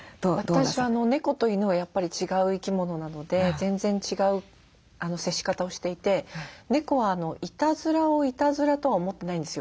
私は猫と犬はやっぱり違う生き物なので全然違う接し方をしていて猫はいたずらをいたずらとは思ってないんですよ。